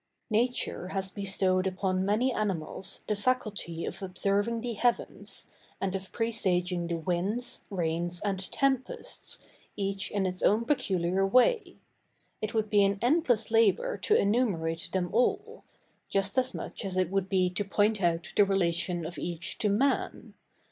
Nature has bestowed upon many animals the faculty of observing the heavens, and of presaging the winds, rains, and tempests, each in its own peculiar way. It would be an endless labor to enumerate them all; just as much as it would be to point out the relation of each to man.